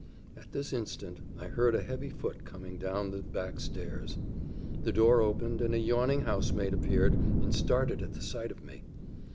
At this instant I heard a heavy foot coming down the back stairs; the door opened, and a yawning housemaid appeared, and started at the sight of me.